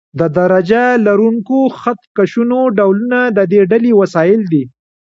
د درجه لرونکو خط کشونو ډولونه د دې ډلې وسایل دي.